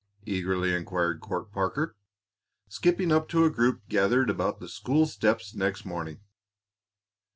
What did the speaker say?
eagerly inquired Court Parker, skipping up to a group gathered about the school steps next morning.